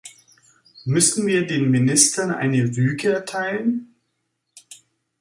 Müssen wir den Ministern eine Rüge erteilen?